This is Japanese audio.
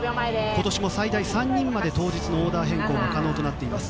今年も最大３人まで当日のオーダー変更が可能となっています。